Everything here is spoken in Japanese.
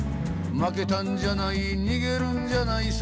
「負けたんじゃない逃げるんじゃないさ」